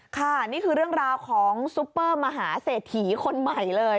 ค่ะนี่คือเรื่องราวของซุปเปอร์มหาเศรษฐีคนใหม่เลย